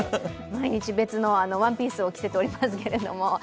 毎日別のワンピースを着せておりますけど。